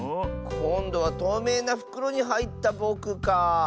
こんどはとうめいなふくろにはいったぼくかあ。